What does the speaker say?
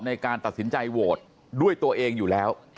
ในการตัดสินใจโหวตด้วยตัวเองอยู่แล้ว